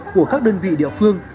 của các đơn vị địa phương